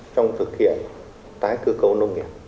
trong thực hiện tái cư cầu nông nghiệp